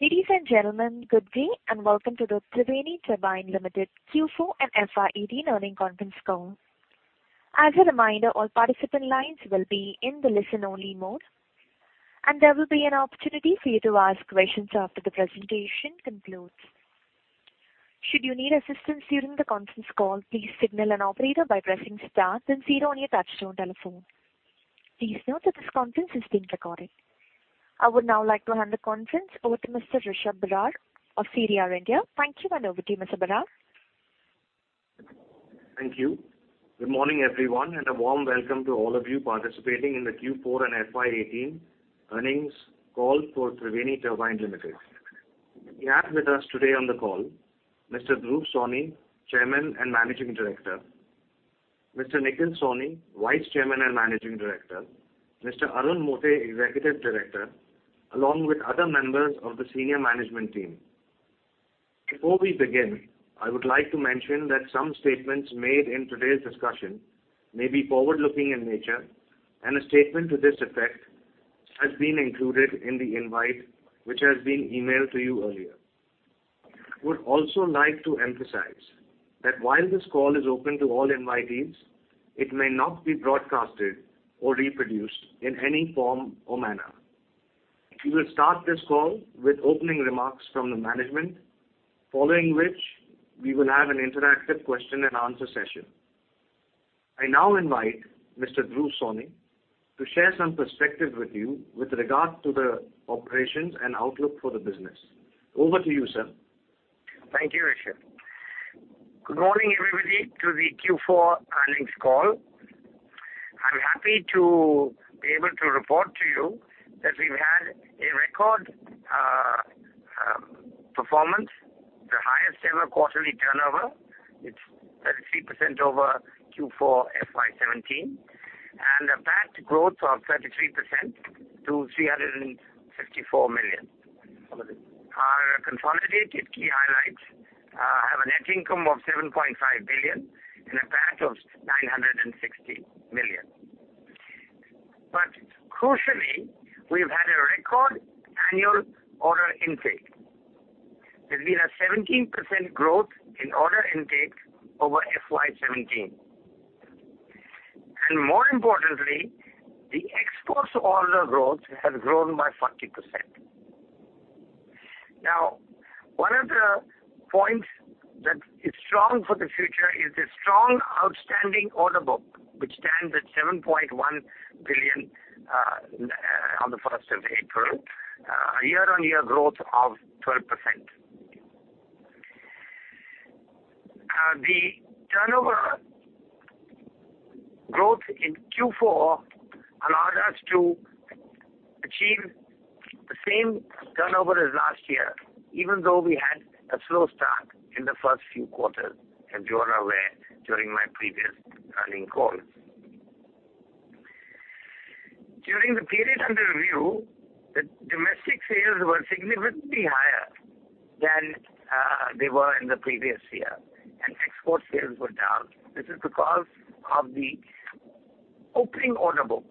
Ladies and gentlemen, good day. Welcome to the Triveni Turbine Limited Q4 and FY 2018 Earnings Conference Call. As a reminder, all participant lines will be in the listen only mode. There will be an opportunity for you to ask questions after the presentation concludes. Should you need assistance during the conference call, please signal an operator by pressing star then zero on your touchtone telephone. Please note that this conference is being recorded. I would now like to hand the conference over to Mr. Rishabh Barar of CDR India. Thank you. Over to you, Mr. Barar. Thank you. Good morning, everyone. A warm welcome to all of you participating in the Q4 and FY 2018 earnings call for Triveni Turbine Limited. We have with us today on the call Mr. Dhruv Sawhney, Chairman and Managing Director, Mr. Nikhil Sawhney, Vice Chairman and Managing Director, Mr. Arun Mote, Executive Director, along with other members of the senior management team. Before we begin, I would like to mention that some statements made in today's discussion may be forward-looking in nature. A statement to this effect has been included in the invite, which has been emailed to you earlier. I would also like to emphasize that while this call is open to all invitees, it may not be broadcasted or reproduced in any form or manner. We will start this call with opening remarks from the management, following which we will have an interactive question and answer session. I now invite Mr. Dhruv Sawhney to share some perspective with you with regard to the operations and outlook for the business. Over to you, sir. Thank you, Rishabh. Good morning, everybody, to the Q4 earnings call. I'm happy to be able to report to you that we've had a record performance, the highest-ever quarterly turnover. It's 33% over Q4 FY 2017. A PAT growth of 33% to 354 million. Our consolidated key highlights have a net income of 7.5 billion. A PAT of 960 million. Crucially, we've had a record annual order intake. There's been a 17% growth in order intake over FY 2017. More importantly, the exports order growth has grown by 40%. One of the points that is strong for the future is the strong outstanding order book, which stands at 7.1 billion on the 1st of April, a year-on-year growth of 12%. The turnover growth in Q4 allowed us to achieve the same turnover as last year, even though we had a slow start in the first few quarters, as you are aware during my previous earnings call. During the period under review, the domestic sales were significantly higher than they were in the previous year, and export sales were down. This is because of the opening order book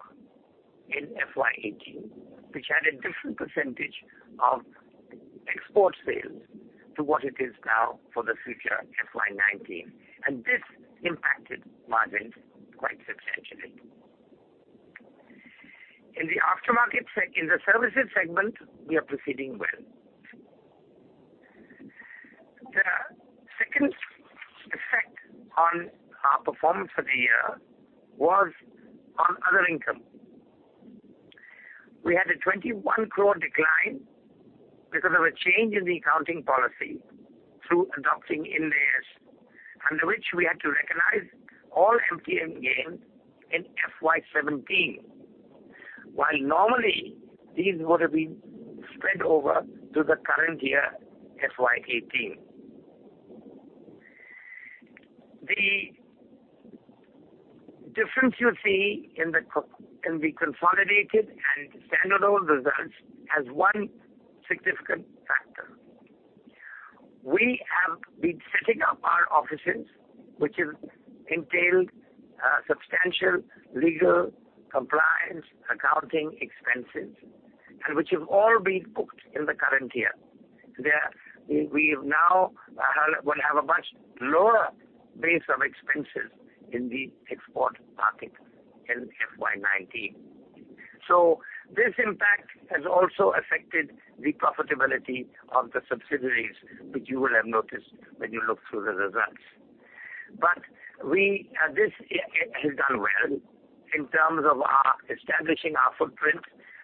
in FY 2018, which had a different percentage of export sales to what it is now for the future, FY 2019. This impacted margins quite substantially. In the services segment, we are proceeding well. The second effect on our performance for the year was on other income. We had a 21 crore decline because of a change in the accounting policy through adopting Ind AS, under which we had to recognize all MTM gains in FY 2017, while normally these would have been spread over to the current year, FY 2018. The difference you see in the consolidated and standalone results has one significant factor. We have been setting up our offices, which has entailed substantial legal compliance, accounting expenses, and which have all been booked in the current year. We now will have a much lower base of expenses in the export market in FY 2019. This impact has also affected the profitability of the subsidiaries, which you will have noticed when you look through the results. This has done well in terms of establishing our footprint,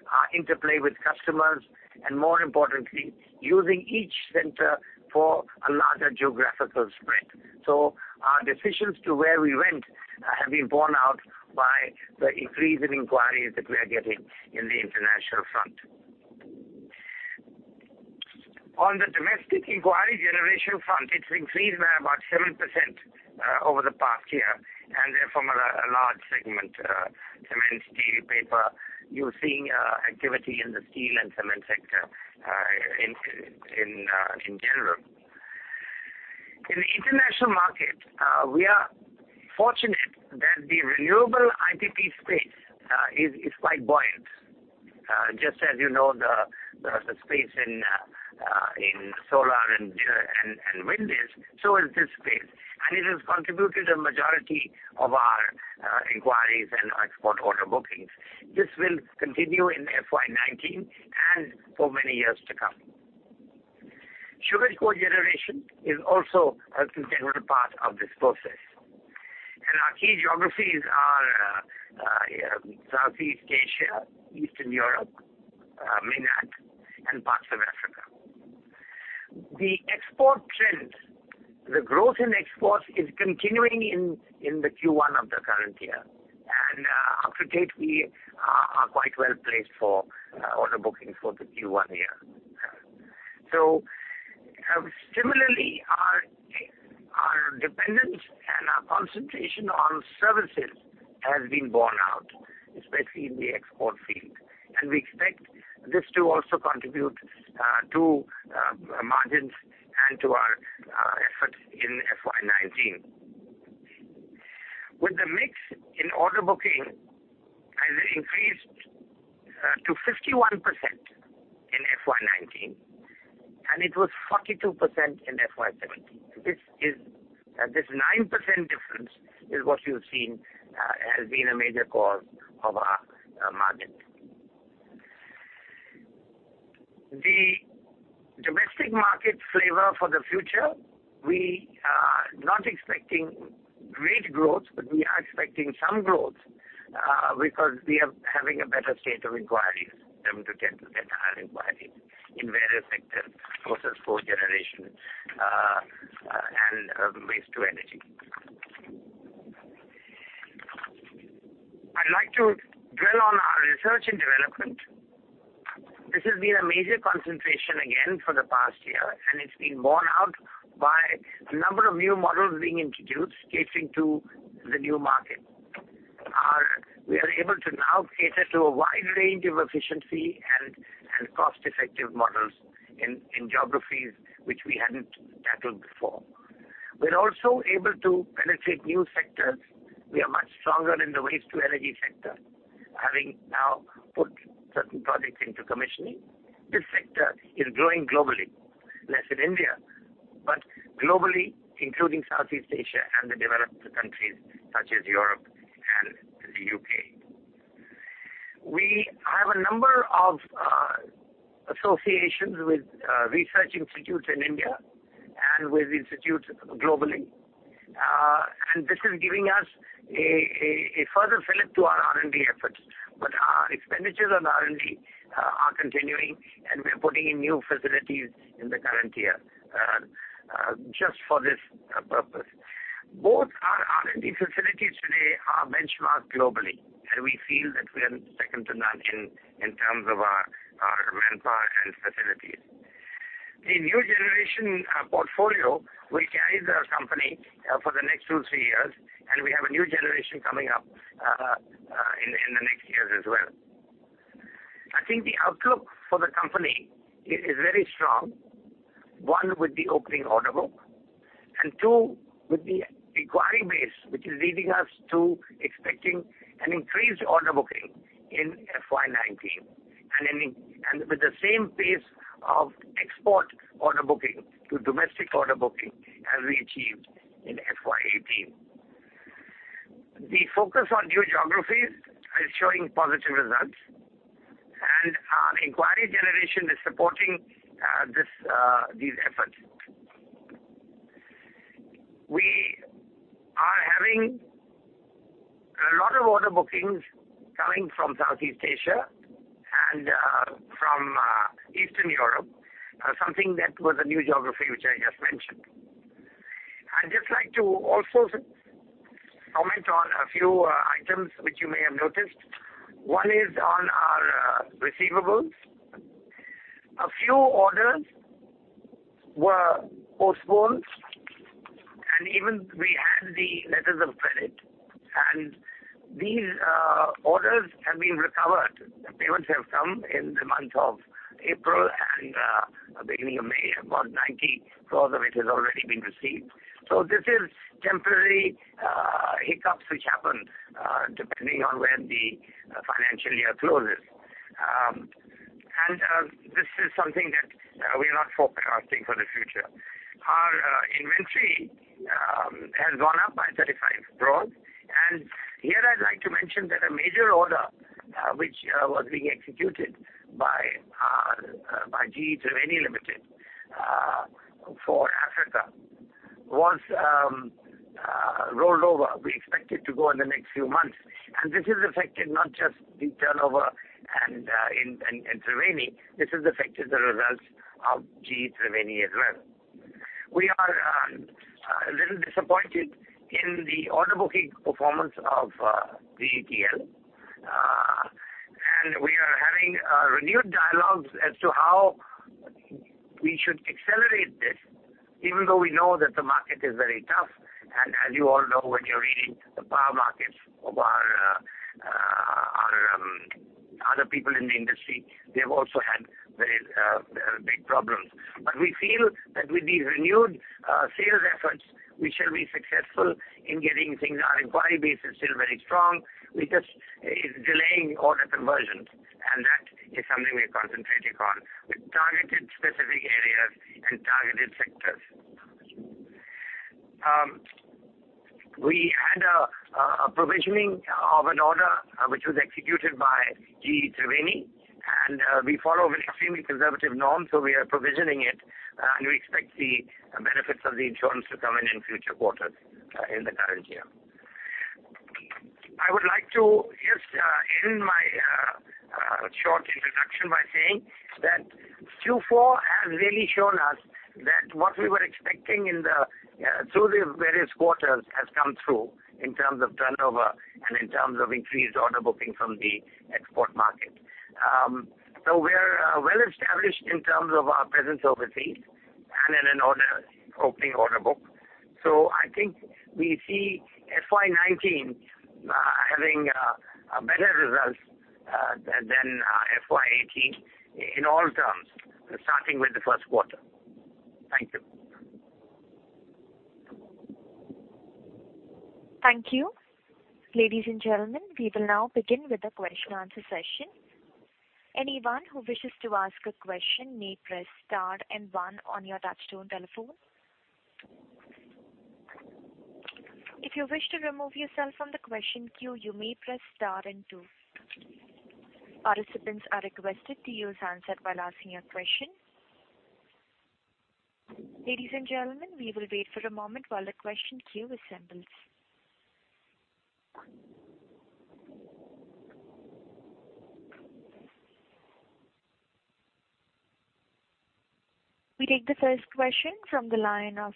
our interplay with customers, and more importantly, using each center for a larger geographical spread. Our decisions to where we went have been borne out by the increase in inquiries that we are getting in the international front. On the domestic inquiry generation front, it's increased by about 7% over the past year, and they're from a large segment: cement, steel, paper. You're seeing activity in the steel and cement sector in general. In the international market, we are fortunate that the renewable IPP space is quite buoyant. Just as you know the space in solar and wind is, so is this space, and it has contributed a majority of our inquiries and export order bookings. This will continue in FY 2019 and for many years to come. Sugarcane generation is also an integral part of this process. Our key geographies are Southeast Asia, Eastern Europe, MENAT, and parts of Africa. The export trend, the growth in exports is continuing in the Q1 of the current year. Up to date, we are quite well-placed for order bookings for the Q1 year. Similarly, our dependence and our concentration on services has been borne out, especially in the export field. We expect this to also contribute to margins and to our efforts in FY 2019. With the mix in order booking has increased to 51% in FY 2019, and it was 42% in FY 2017. This 9% difference is what you've seen has been a major cause of our margin. The domestic market flavor for the future, we are not expecting great growth, but we are expecting some growth, because we are having a better state of inquiries, tend to get higher inquiries in various sectors, process cogeneration, and waste to energy. I'd like to dwell on our research and development. This has been a major concentration again for the past year, it's been borne out by a number of new models being introduced catering to the new market. We are able to now cater to a wide range of efficiency and cost-effective models in geographies which we hadn't tackled before. We're also able to penetrate new sectors. We are much stronger in the waste-to-energy sector, having now put certain projects into commissioning. This sector is growing globally, less in India, but globally, including Southeast Asia and the developed countries such as Europe and the U.K. We have a number of associations with research institutes in India and with institutes globally. This is giving us a further fillip to our R&D efforts. Our expenditures on R&D are continuing, and we're putting in new facilities in the current year, just for this purpose. Both our R&D facilities today are benchmarked globally, we feel that we are second to none in terms of our manpower and facilities. The new generation portfolio will carry the company for the next two, three years, and we have a new generation coming up in the next years as well. I think the outlook for the company is very strong. One, with the opening order book, and two, with the inquiry base, which is leading us to expecting an increased order booking in FY 2019. With the same pace of export order booking to domestic order booking as we achieved in FY 2018. The focus on new geographies is showing positive results, and our inquiry generation is supporting these efforts. We are having a lot of order bookings coming from Southeast Asia and from Eastern Europe, something that was a new geography which I just mentioned. I'd just like to also comment on a few items which you may have noticed. One is on our receivables. A few orders were postponed, and even we had the letters of credit. These orders have been recovered. The payments have come in the month of April and beginning of May. About 90% of it has already been received. This is temporary hiccups which happen, depending on when the financial year closes. This is something that we're not forecasting for the future. Our inventory has gone up by 35 crores. Here I'd like to mention that a major order, which was being executed by GE Triveni Limited for Africa was rolled over. We expect it to go in the next few months. This has affected not just the turnover in Triveni, this has affected the results of GE Triveni as well. We are a little disappointed in the order booking performance of GETL. We are having renewed dialogues as to how we should accelerate this, even though we know that the market is very tough. As you all know, when you're reading the power markets of our Other people in the industry, they've also had very big problems. We feel that with these renewed sales efforts, we shall be successful in getting things. Our inquiry base is still very strong. We're just delaying order conversions, and that is something we're concentrating on with targeted specific areas and targeted sectors. We had a provisioning of an order which was executed by GE Triveni, and we follow an extremely conservative norm, so we are provisioning it, and we expect the benefits of the insurance to come in future quarters in the current year. I would like to just end my short introduction by saying that Q4 has really shown us that what we were expecting through the various quarters has come through in terms of turnover and in terms of increased order booking from the export market. We're well-established in terms of our presence overseas and in an opening order book. I think we see FY 2019 having better results than FY 2018 in all terms, starting with the first quarter. Thank you. Thank you. Ladies and gentlemen, we will now begin with the question answer session. Anyone who wishes to ask a question may press star and one on your touchtone telephone. If you wish to remove yourself from the question queue, you may press star and two. Participants are requested to use handset while asking a question. Ladies and gentlemen, we will wait for a moment while the question queue assembles. We take the first question from the line of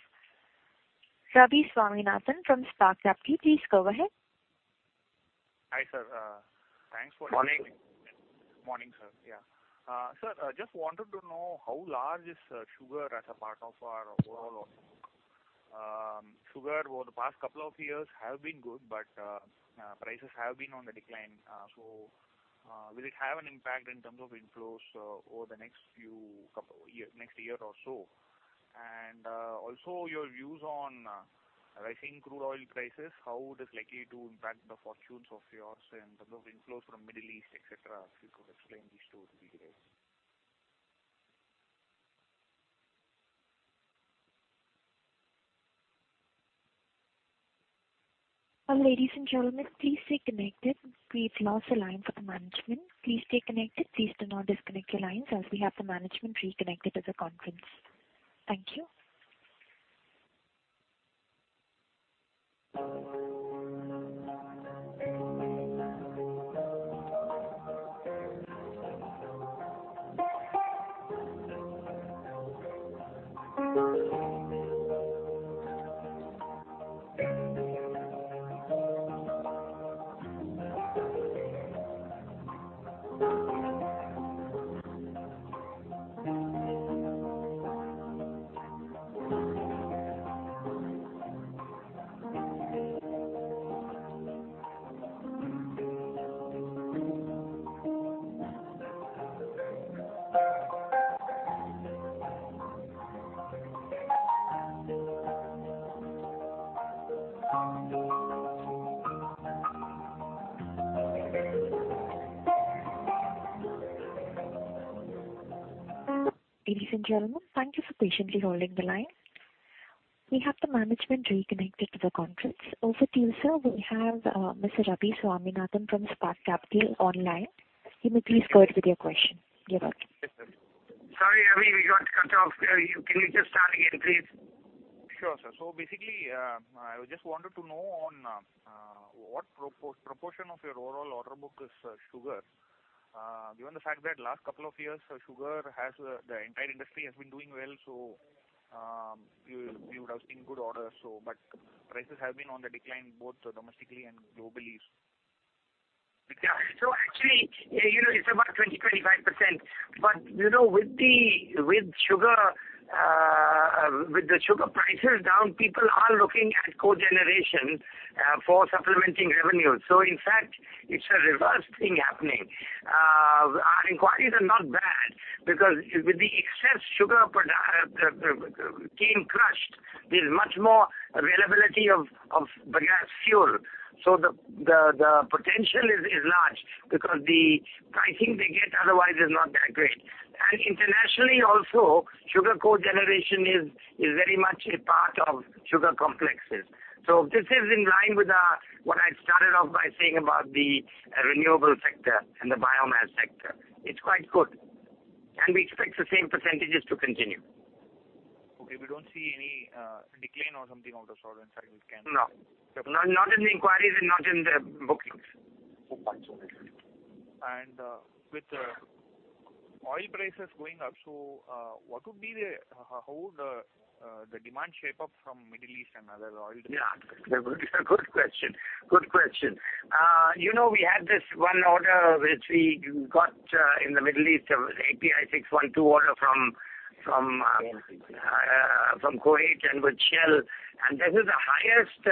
Ravi Swaminathan from Spark Capital. Please go ahead. Hi, sir. Thanks for Morning. Morning, sir. Yeah. Sir, just wanted to know how large is sugar as a part of our overall order book. Sugar over the past couple of years have been good, but prices have been on the decline. Will it have an impact in terms of inflows over the next year or so? Also your views on rising crude oil prices, how would this likely to impact the fortunes of yours in terms of inflows from Middle East, et cetera? If you could explain these two details. Ladies and gentlemen, please stay connected. We've lost the line for the management. Please stay connected. Please do not disconnect your lines as we have the management reconnected to the conference. Thank you. Ladies and gentlemen, thank you for patiently holding the line. We have the management reconnected to the conference. Over to you, sir. We have Mr. Ravi Swaminathan from Spark Capital online. You may please go ahead with your question. You're back. Sorry, Ravi, we got cut off. Can you just start again, please? Sure, sir. Basically, I just wanted to know on what proportion of your overall order book is sugar. Given the fact that last couple of years, sugar, the entire industry has been doing well, you would have seen good orders. Prices have been on the decline, both domestically and globally. Yeah. Actually, it's about 20%-25%. With the sugar prices down, people are looking at cogeneration for supplementing revenue. In fact, it's a reverse thing happening. Our inquiries are not bad because with the excess sugarcane crushed, there's much more availability of biomass fuel. The potential is large because the pricing they get otherwise is not that great. Internationally also, sugar cogeneration is very much a part of sugar complexes. This is in line with what I started off by saying about the renewable sector and the biomass sector. It's quite good, and we expect the same percentages to continue. Okay. We don't see any decline or something of the sort, in fact it can- No. Not in the inquiries and not in the bookings. Okay. Got you. With oil prices going up, how would the demand shape up from Middle East and other oil- Yeah. Good question. We had this one order which we got in the Middle East, API 612 order from Kuwait and with Shell. This is the highest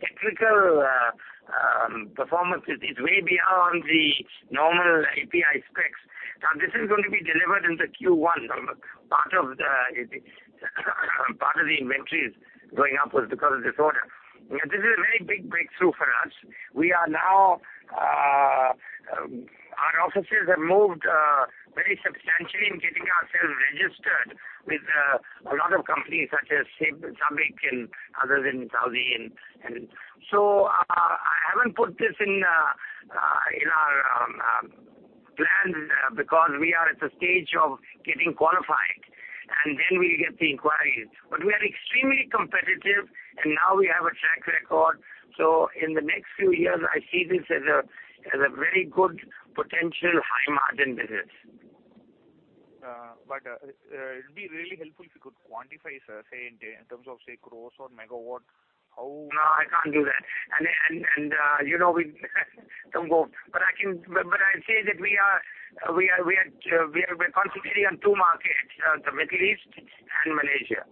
technical performance. It is way beyond the normal API specs. This is going to be delivered in the Q1. Part of the inventories going up was because of this order. This is a very big breakthrough for us. Our offices have moved very substantially in getting ourselves registered with a lot of companies such as SABIC and others in Saudi. I haven't put this in our plans because we are at the stage of getting qualified and then we get the inquiries. We are extremely competitive, and now we have a track record. In the next few years, I see this as a very good potential high-margin business. It'd be really helpful if you could quantify, sir, say, in terms of, say, crores or megawatt, how- No, I can't do that. I say that we're concentrating on two markets, the Middle East and Malaysia,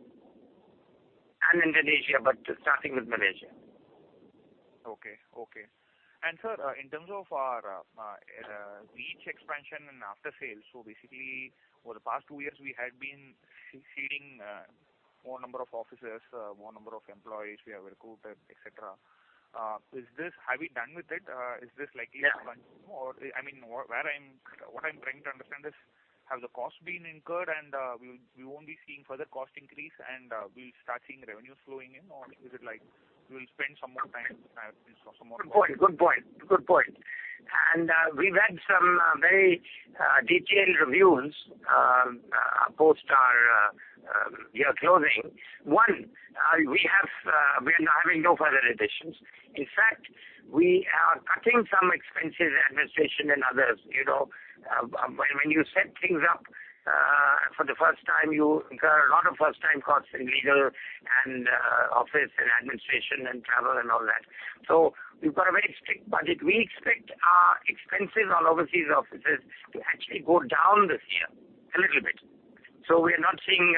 and Indonesia, but starting with Malaysia. Okay. Sir, in terms of our reach expansion and after-sales. Basically, over the past two years, we had been seeding more number of offices, more number of employees we have recruited, et cetera. Have we done with it? Is this likely to continue? Yeah. What I'm trying to understand is, have the costs been incurred and we won't be seeing further cost increase, and we'll start seeing revenues flowing in? Or is it like we'll spend some more time and some more- Good point. We've had some very detailed reviews post our year closing. We're having no further additions. In fact, we are cutting some expenses, administration, and others. When you set things up for the first time, you incur a lot of first-time costs in legal and office and administration and travel and all that. We've got a very strict budget. We expect our expenses on overseas offices to actually go down this year a little bit. We're not budgeting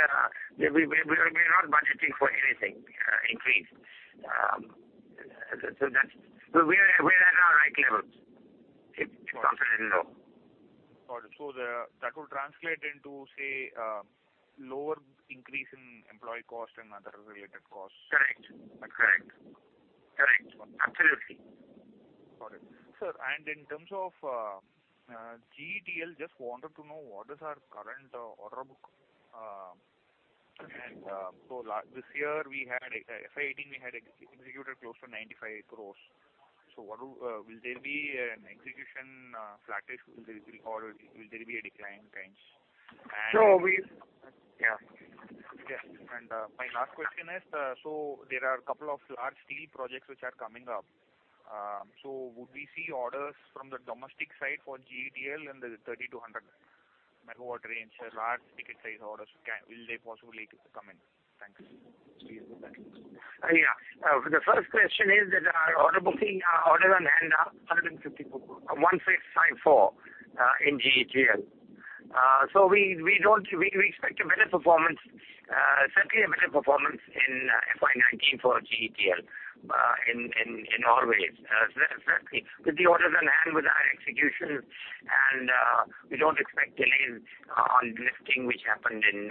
for anything increased. We're at our right levels. In fact, a little low. Got it. That will translate into, say, lower increase in employee cost and other related costs. Correct. Absolutely. Got it. Sir, in terms of GETL, just wanted to know what is our current order book? This year, FY 2018, we had executed close to 95 crores. Will there be an execution flattish or will there be a decline trend? So we- Yeah. My last question is, there are a couple of large steel projects which are coming up. Would we see orders from the domestic side for GETL in the 30-100 megawatt range, large ticket size orders? Will they possibly come in? Thanks. The first question is that our orders on hand are 154 in GETL. We expect a better performance, certainly a better performance in FY 2019 for GETL in all ways. Certainly with the orders on hand, with our executions, we don't expect delays on lifting, which happened in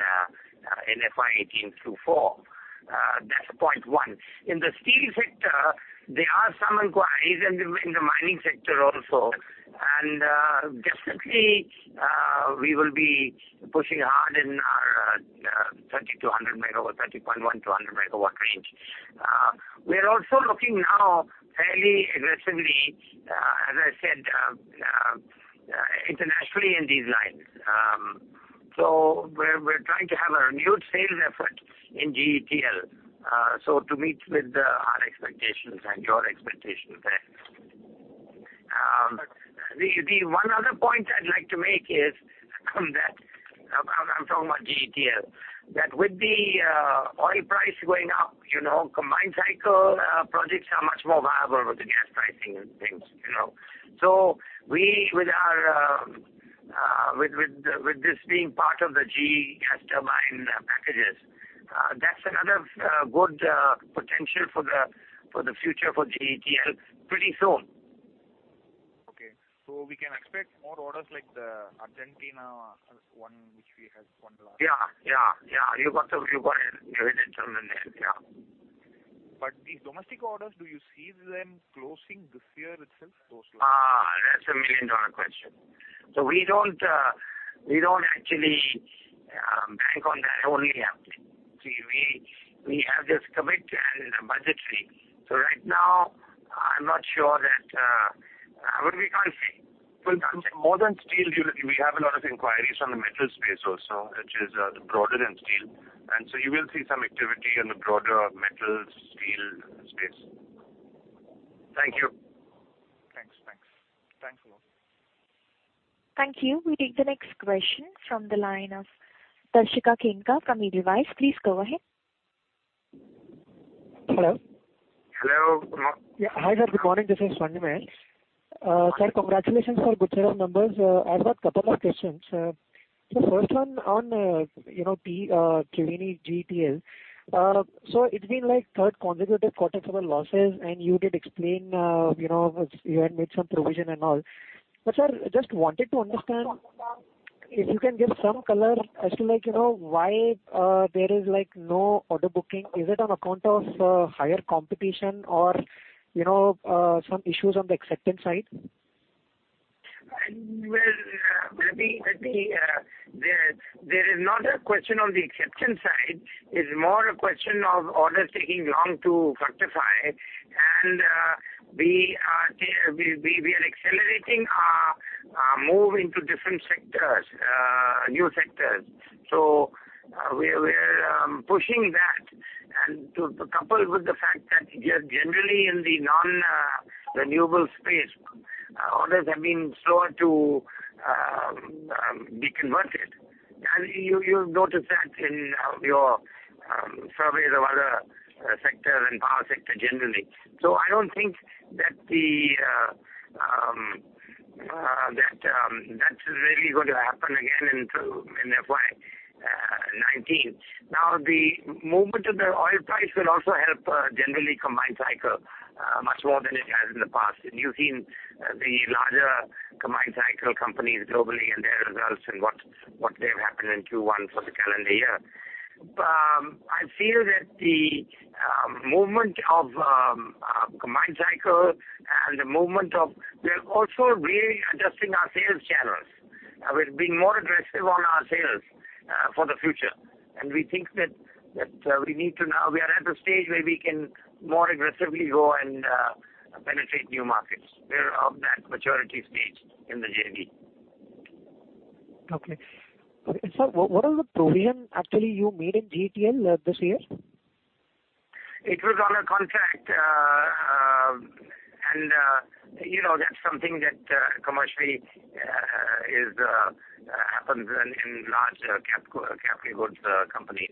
FY 2018 Q4. That's point one. In the steel sector, there are some inquiries, in the mining sector also, definitely, we will be pushing hard in our 30.1-100 megawatt range. We're also looking now fairly aggressively, as I said, internationally in these lines. We're trying to have a renewed sales effort in GETL, so to meet with our expectations and your expectations there. Got it. The one other point I'd like to make is that, I'm talking about GETL, that with the oil price going up, combined cycle projects are much more viable with the gas pricing and things. With this being part of the GE gas turbine packages, that's another good potential for the future for GETL pretty soon. Okay. We can expect more orders like the Argentina one which we had won last. Yeah. You got it. You're in terms there. Yeah. These domestic orders, do you see them closing this year itself? That's a million-dollar question. We don't actually bank on that only happening. We have this commit and budgetary. Right now, I'm not sure that. More than steel, we have a lot of inquiries from the metal space also, which is broader than steel. You will see some activity on the broader metal, steel space. Thank you. Thanks a lot. Thank you. We'll take the next question from the line of Darshika Khenia from Edelweiss. Please go ahead. Hello. Hello. Good morning. Hi, sir. Good morning. This is Sanjesh. Sir, congratulations for a good set of numbers. I've got a couple of questions. First one on Triveni GETL. It's been third consecutive quarter for the losses, and you did explain you had made some provision and all. Sir, just wanted to understand if you can give some color as to why there is no order booking. Is it on account of higher competition or some issues on the acceptance side? There is not a question on the acceptance side. It's more a question of orders taking long to fructify. We are accelerating our move into different sectors, new sectors. We are pushing that. To couple with the fact that just generally in the non-renewable space, orders have been slower to be converted. You'll notice that in your surveys of other sectors and power sector generally. I don't think that's really going to happen again in FY 2019. The movement of the oil price will also help generally combined cycle much more than it has in the past. You've seen the larger combined cycle companies globally and their results and what they've happened in Q1 for the calendar year. I feel that the movement of combined cycle. We're also really adjusting our sales channels. We're being more aggressive on our sales for the future. We think that we are at a stage where we can more aggressively go and penetrate new markets. We're of that maturity stage in the journey. Okay. Sir, what was the provision actually you made in GTL this year? It was on a contract, that's something that commercially happens in large capital goods companies.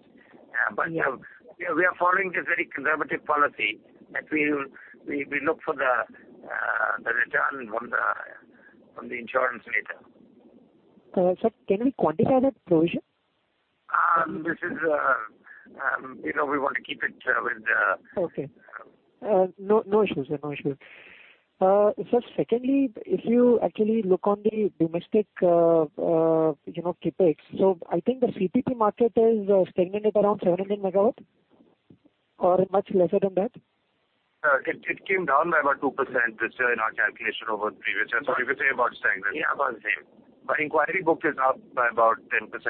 We are following this very conservative policy that we look for the return from the insurance later. Sir, can we quantify that provision? We want to keep it with the. Okay. No issues, sir. Sir, secondly, if you actually look on the domestic CapEx. I think the CPP market is stagnant at around 700 MW or much lesser than that. It came down by about 2% this year in our calculation over the previous year. You could say about the same. Yeah, about the same. inquiry book is up by about 10%. That's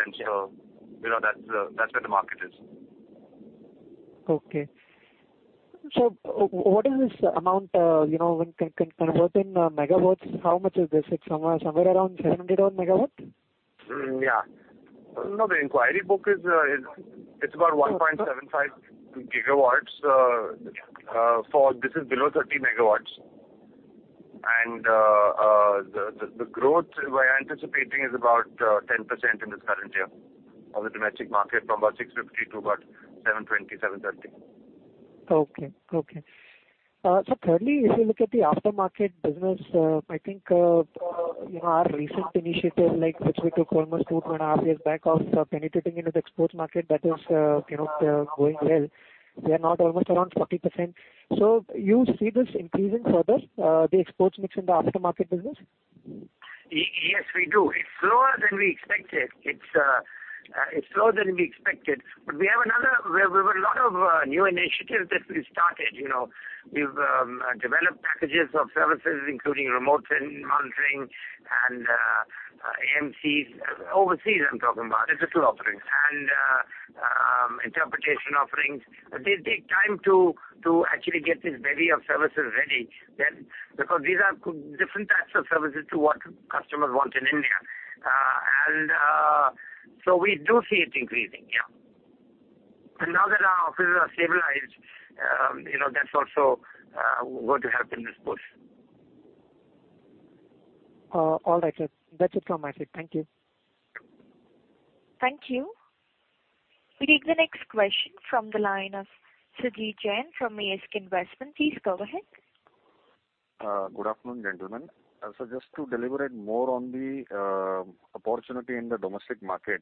where the market is. Okay. What is this amount when converting megawatts, how much is this? It's somewhere around 700 odd megawatt? Yeah. No, the inquiry book is about 1.75 gigawatts. This is below 30 megawatts. The growth we're anticipating is about 10% in this current year of the domestic market from about 650 to about 720, 730. Okay. Sir, thirdly, if you look at the after-market business, I think our recent initiative like which we took almost two and a half years back of penetrating into the export market, that is going well. We are now almost around 40%. You see this increasing further the exports mix in the after-market business? Yes, we do. It's slower than we expected. We have a lot of new initiatives that we started. We've developed packages of services, including remote monitoring and AMCs. Overseas, I'm talking about. These are two offerings. Interpretation offerings. They take time to actually get this bevy of services ready because these are different types of services to what customers want in India. We do see it increasing, yeah. Now that our offices are stabilized, that's also going to help in this push. All right, sir. That's it from my side. Thank you. Thank you. We'll take the next question from the line of Sumit Jain from ASK Investment. Please go ahead. Good afternoon, gentlemen. Just to deliberate more on the opportunity in the domestic market.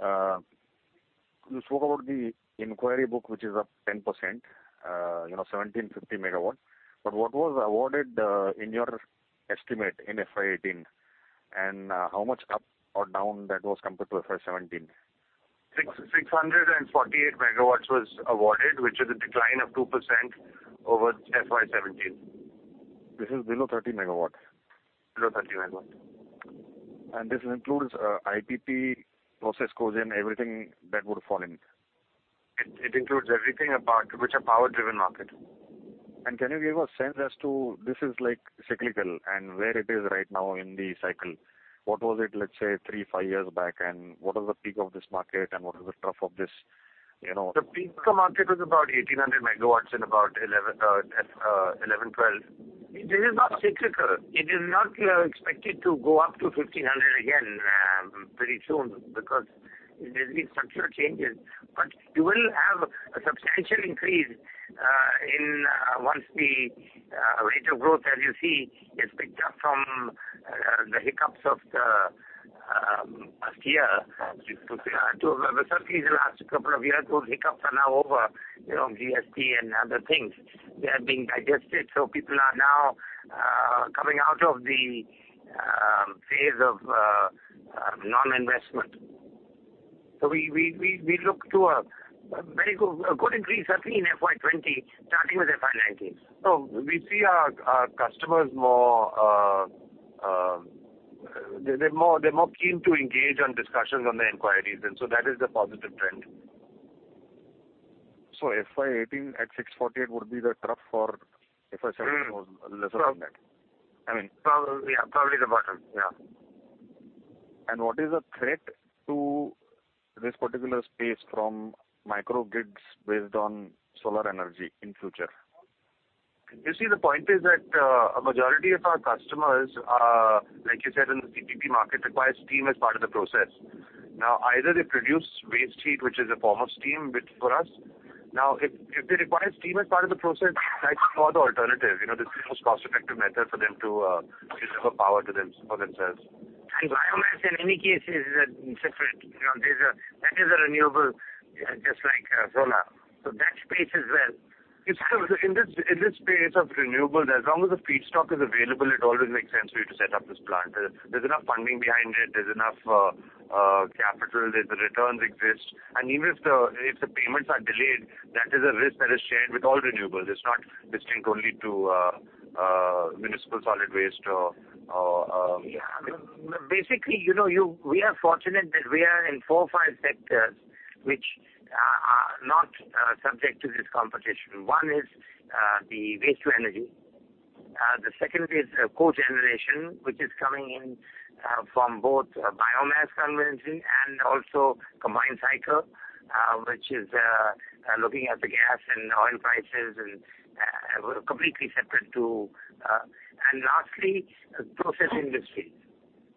You spoke about the inquiry book, which is up 10%, 1,750 megawatts. What was awarded in your estimate in FY 2018? How much up or down that was compared to FY 2017? 648 megawatts was awarded, which is a decline of 2% over FY 2017. This is below 30 megawatts. Below 30 megawatts. This includes IPP process, COGEN, everything that would fall in. It includes everything which are power-driven market. Can you give a sense as to this is cyclical and where it is right now in the cycle? What was it, let's say, three, five years back, and what was the peak of this market, and what was the trough of this? The peak of the market was about 1,800 megawatts in about 2011, 2012. This is not cyclical. It is not expected to go up to 1,500 again pretty soon because there's been structural changes. You will have a substantial increase once the rate of growth, as you see, has picked up from the hiccups of the past year. Certainly the last couple of years, those hiccups are now over, GST and other things. They are being digested, so people are now coming out of the phase of non-investment. We look to a very good increase, certainly in FY 2020, starting with FY 2019. We see our customers, they're more keen to engage on discussions on their inquiries, and so that is the positive trend. FY 2018 at 648 would be the trough for FY 2017 or lesser than that? Probably, yeah. Probably the bottom. Yeah. What is the threat to this particular space from microgrids based on solar energy in future? You see, the point is that a majority of our customers are, like you said, in the CPP market, require steam as part of the process. Now, either they produce waste heat, which is a form of steam, which for us. Now, if they require steam as part of the process, that's for the alternative. This is the most cost-effective method for them to deliver power for themselves. Biomass, in any case, is different. That is a renewable, just like solar. That space as well. In this space of renewables, as long as the feedstock is available, it always makes sense for you to set up this plant. There's enough funding behind it, there's enough capital, there's the returns exist. Even if the payments are delayed, that is a risk that is shared with all renewables. It's not distinct only to municipal solid waste or. Yeah. Basically, we are fortunate that we are in four or five sectors which are not subject to this competition. One is the waste to energy. The second is cogeneration, which is coming in from both biomass conversion and also combined cycle, which is looking at the gas and oil prices, and we're completely separate to. Lastly, process industry.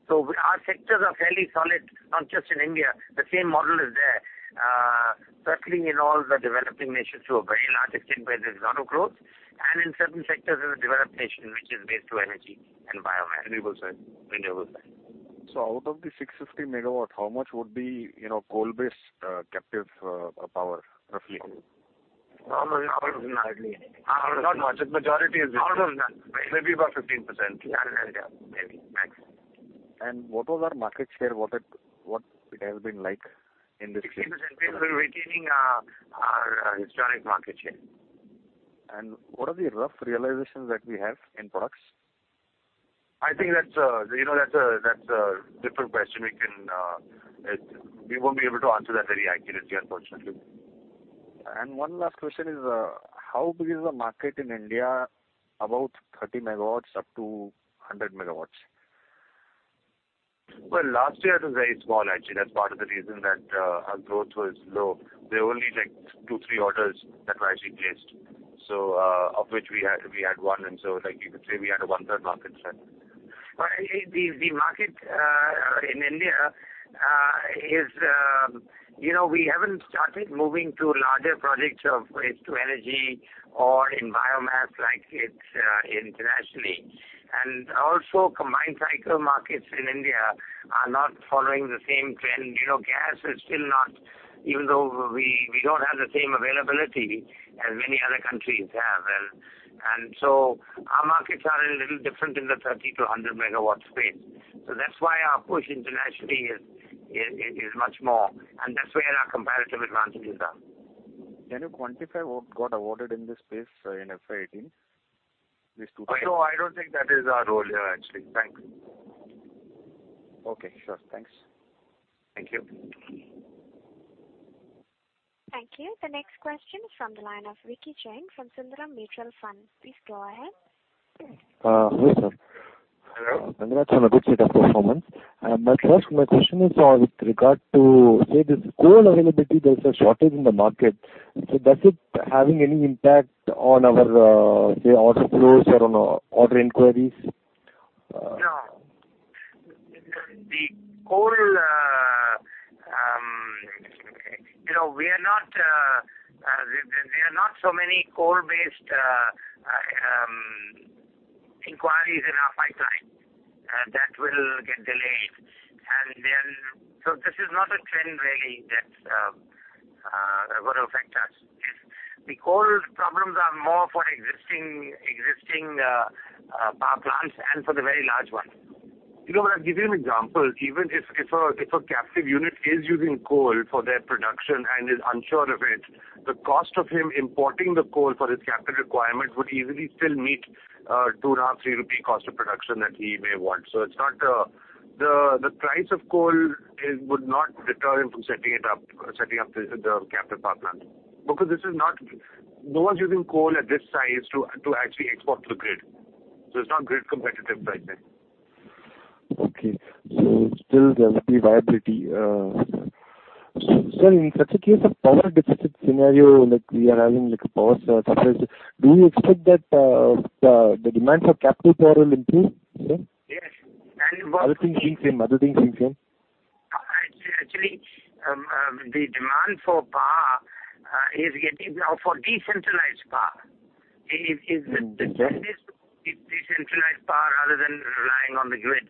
Our sectors are fairly solid, not just in India. The same model is there, settling in all the developing nations to a very large extent where there's a lot of growth. In certain sectors as a developed nation, which is waste to energy and biomass. Renewable side. Renewable side. Out of the 650 megawatts, how much would be coal-based captive power, roughly? Not much. The majority is. Almost none. Maybe about 15%. Yeah. Maybe. Max. What was our market share? What it has been like in this space? 16%. We're retaining our historic market share. What are the rough realizations that we have in products? I think that's a different question. We won't be able to answer that very accurately, unfortunately. One last question is, how big is the market in India, about 30 MW up to 100 MW? Well, last year it was very small actually. That's part of the reason that our growth was low. There were only two, three orders that were actually placed, of which we had one, and so you could say we had a 1/3 market share. The market in India is, we haven't started moving to larger projects of waste to energy or in biomass like it's internationally. Also combined cycle markets in India are not following the same trend. Gas is still not, even though we don't have the same availability as many other countries have. Our markets are a little different in the 30 to 100 megawatt space. That's why our push internationally is much more, and that's where our comparative advantage is. Can you quantify what got awarded in this space in FY 2018? These 200. No, I don't think that is our role here, actually. Thanks. Okay, sure. Thanks. Thank you. Thank you. The next question is from the line of Vicky Cheng from Sundaram Mutual Fund. Please go ahead. Hello, sir. Hello. Congrats on a good set of performance. My question is with regard to, say, this coal availability, there's a shortage in the market. Does it having any impact on our, say, order flows or order inquiries? No. There are not so many coal-based inquiries in our pipeline that will get delayed. This is not a trend really that's going to affect us. The coal problems are more for existing power plants and for the very large ones. When I give you an example, even if a captive unit is using coal for their production and is unsure of it, the cost of him importing the coal for his captive requirement would easily still meet 2, 3 rupee cost of production that he may want. The price of coal would not deter him from setting up the captive power plant. No one's using coal at this size to actually export to the grid. It's not grid competitive right now. Okay. Still there will be viability. Sir, in such a case of power deficit scenario, like we are having a power shortage, do you expect that the demand for captive power will increase, sir? Yes. Other things being same. Actually, the demand for power is now for decentralized power. Okay. The trend is decentralized power rather than relying on the grid.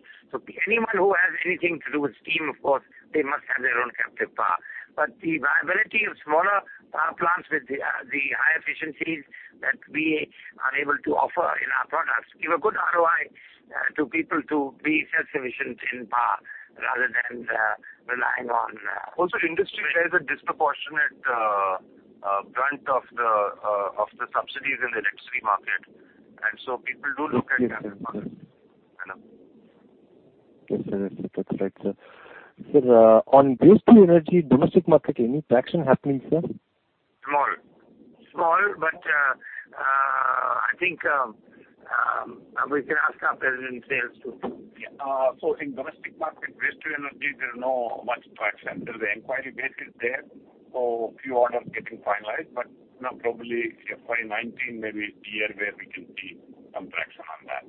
Anyone who has anything to do with steam, of course, they must have their own captive power. The viability of smaller power plants with the high efficiencies that we are able to offer in our products give a good ROI to people to be self-sufficient in power. Also, industry bears a disproportionate brunt of the subsidies in the electricity market, and so people do look at captive power. I know. Yes, sir. That's right, sir. Sir, on waste-to-energy domestic market, any traction happening, sir? Small. I think we can ask our president, sales, too. In domestic market, waste-to-energy, there's not much traction. There's the inquiry base is there, so few orders getting finalized, but probably FY 2019 may be a year where we can see some traction on that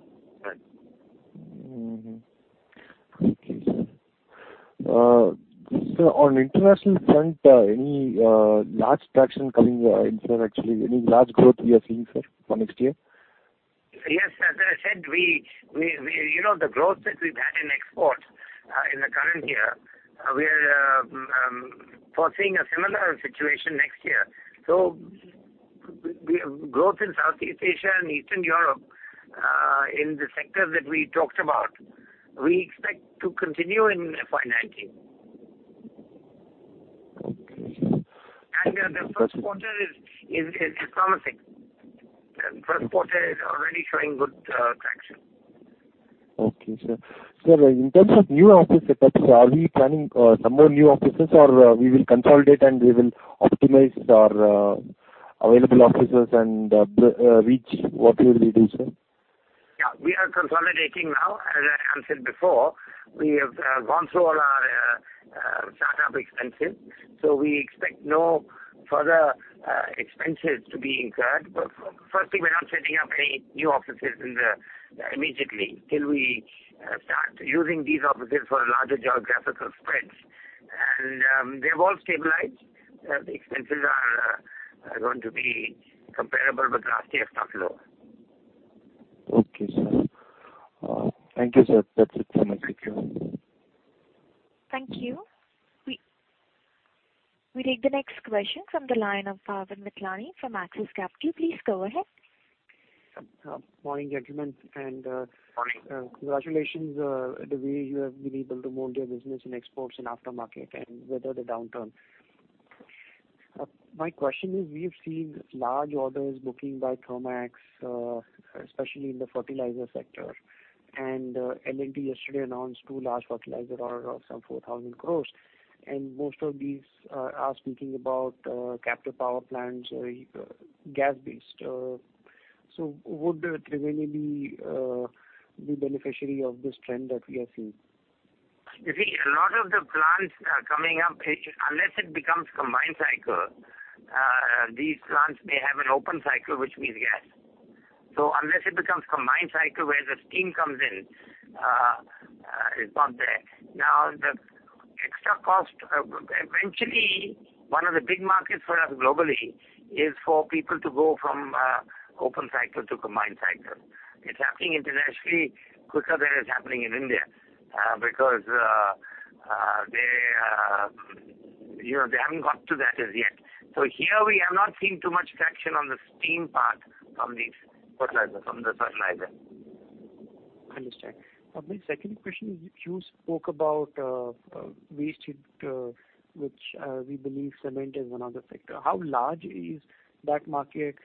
front. Okay, sir. Sir, on international front, any large traction coming in, sir, actually, any large growth you are seeing, sir, for next year? Yes, as I said, the growth that we've had in exports in the current year, we are foreseeing a similar situation next year. Growth in Southeast Asia and Eastern Europe, in the sectors that we talked about, we expect to continue in FY 2019. The first quarter is promising. First quarter is already showing good traction. Okay, sir. Sir, in terms of new office setups, are we planning some more new offices, or we will consolidate, and we will optimize our available offices and reach? What will we do, sir? Yeah. We are consolidating now. As I answered before, we have gone through all our startup expenses. We expect no further expenses to be incurred. Firstly, we're not setting up any new offices immediately till we start using these offices for larger geographical spreads. They've all stabilized. The expenses are going to be comparable with last year, if not lower. Okay, sir. Thank you, sir. That's it from my side. Thank you. We take the next question from the line of Pawan Motwani from Axis Capital. Please go ahead. Morning, gentlemen. Morning. Congratulations the way you have been able to mold your business in exports and aftermarket and weather the downturn. My question is, we have seen large orders booking by Thermax, especially in the fertilizer sector, and L&T yesterday announced two large fertilizer order of some 4,000 crore, and most of these are speaking about captive power plants, gas-based. Would Triveni be the beneficiary of this trend that we are seeing? You see, a lot of the plants coming up, unless it becomes combined cycle, these plants may have an open cycle, which means gas. Unless it becomes combined cycle, where the steam comes in, it's not there. Eventually, one of the big markets for us globally is for people to go from open cycle to combined cycle. It's happening internationally quicker than it's happening in India, because they haven't got to that as yet. Here, we have not seen too much traction on the steam part from the fertilizer. I understand. My second question is, you spoke about waste heat, which we believe cement is one of the sector. How large is that market,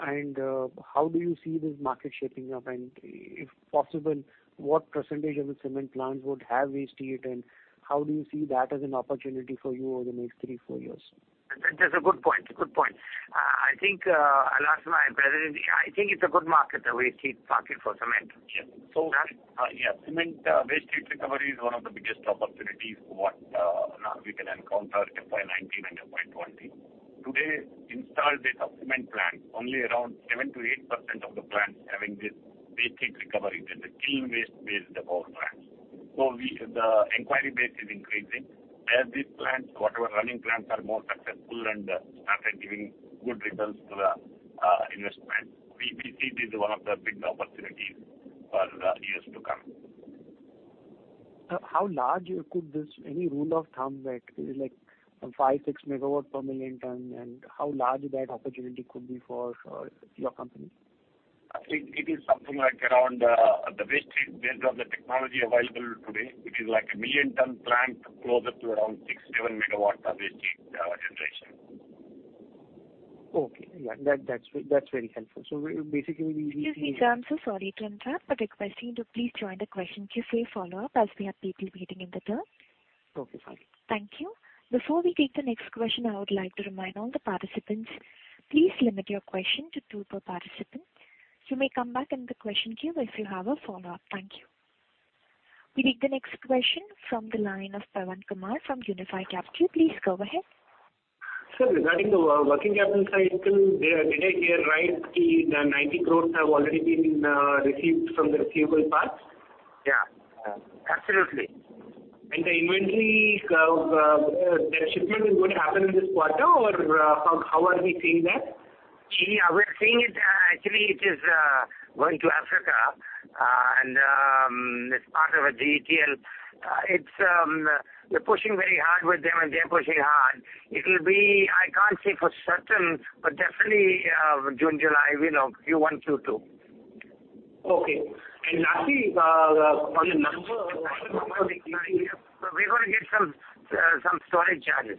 and how do you see this market shaping up? If possible, what percentage of the cement plants would have waste heat, and how do you see that as an opportunity for you over the next three, four years? That's a good point. I think I'll ask my president. I think it's a good market, the waste heat market for cement. Yes. Sir? Cement waste heat recovery is one of the biggest opportunities what now we can encounter FY 2019 and FY 2020. Today, installed base of cement plant, only around 7%-8% of the plants having this waste heat recovery, that the clean waste-based power plants. The inquiry base is increasing. As these plants, whatever running plants are more successful and started giving good returns to the investment, we see this as one of the big opportunities for years to come. Sir, how large could this be? Any rule of thumb that is like 5, 6 MW per million ton, and how large that opportunity could be for your company? I think it is something like around the waste heat based on the technology available today, which is like a million ton plant closer to around 6, 7 MW of waste heat generation. Okay. That's very helpful. Basically. Excuse me, sir. I'm so sorry to interrupt. I request you to please join the question queue for a follow-up, as we have people waiting in the queue. Okay, fine. Thank you. Before we take the next question, I would like to remind all the participants, please limit your question to two per participant. You may come back in the question queue if you have a follow-up. Thank you. We take the next question from the line of Pavan Kumar from Unifi Capital. Please go ahead. Sir, regarding the working capital cycle, did I hear right the 90 crore have already been received from the receivable parts? Yeah. Absolutely. The inventory, that shipment is going to happen in this quarter, or how are we seeing that? We're seeing it actually it is going to Africa as part of a GETL. We're pushing very hard with them, they're pushing hard. It will be, I can't say for certain, definitely June, July, Q1, Q2. Okay. Lastly, on the numbers. We're going to get some storage charges.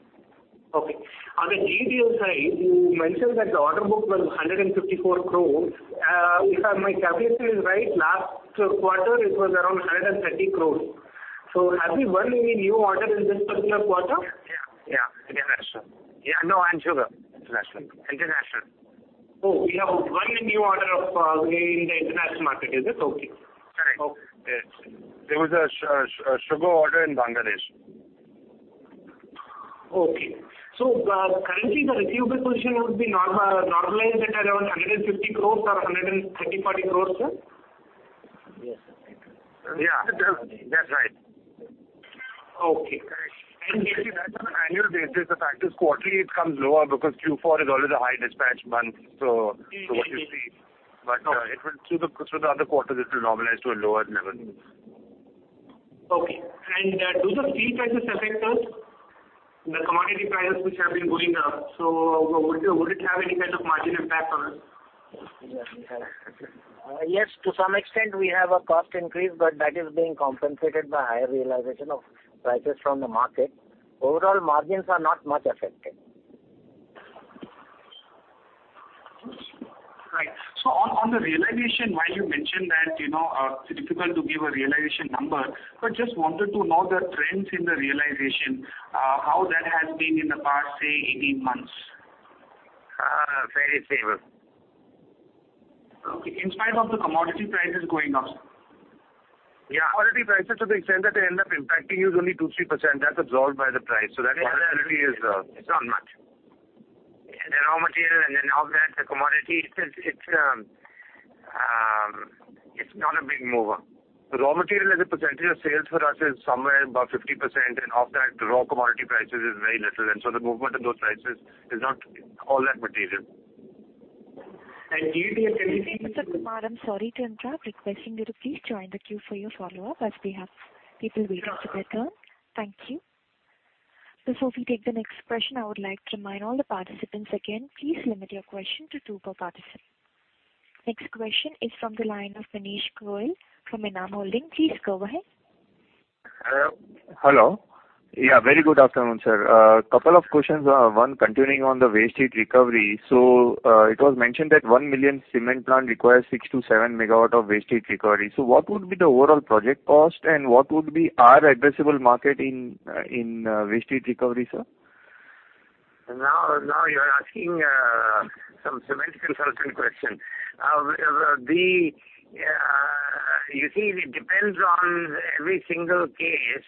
Okay. On the TTL side, you mentioned that the order book was 154 crore. If my calculation is right, last quarter it was around 130 crore. Have you won any new order in this particular quarter? Yeah. International. No, and sugar. International. Oh, you have won a new order in the international market. Is it? Okay. Correct. Okay. Yes. There was a sugar order in Bangladesh. Currently the receivable position would be normalized at around 150 crores or 130 crores, 340 crores, sir? Yes. That's right. Okay. Correct. Actually that's on an annual basis. The fact is quarterly it comes lower because Q4 is always a high dispatch month. Through the other quarters it will normalize to a lower level. Okay. Do the steel prices affect us? The commodity prices which have been going up. Would it have any kind of margin impact on us? Yes, to some extent we have a cost increase, that is being compensated by higher realization of prices from the market. Overall, margins are not much affected. Right. On the realization, while you mentioned that it's difficult to give a realization number, just wanted to know the trends in the realization, how that has been in the past, say, 18 months. Very favorable. Okay. In spite of the commodity prices going up? Yeah. Commodity prices to the extent that they end up impacting is only two, three %. That's absorbed by the price. That impact really is not much. The raw material and then of that, the commodity, it's not a big mover. The raw material as a percentage of sales for us is somewhere above 50%, and of that, the raw commodity prices is very little. The movement of those prices is not all that material. GETL Mr. Kumar, I'm sorry to interrupt. Requesting you to please join the queue for your follow-up as we have people waiting to take turn. Thank you. Before we take the next question, I would like to remind all the participants again, please limit your question to two per participant. Next question is from the line of Manish Goel from Enam Holdings. Please go ahead. Hello. Very good afternoon, sir. A couple of questions. One, continuing on the waste heat recovery. It was mentioned that 1 million cement plant requires 6-7 MW of waste heat recovery. What would be the overall project cost and what would be our addressable market in waste heat recovery, sir? You're asking some cement consultant question. You see, it depends on every single case.